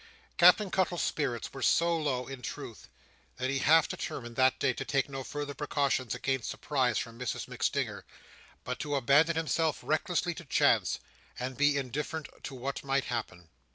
Captain Cuttle's spirits were so low, in truth, that he half determined, that day, to take no further precautions against surprise from Mrs MacStinger, but to abandon himself recklessly to chance, and be indifferent to what might happen.